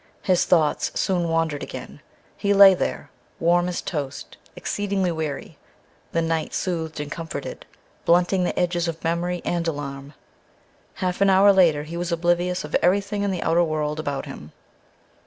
His thoughts soon wandered again; he lay there, warm as toast, exceedingly weary; the night soothed and comforted, blunting the edges of memory and alarm. Half an hour later he was oblivious of everything in the outer world about him.